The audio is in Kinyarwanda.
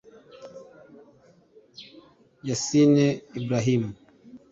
Yacine Brahimi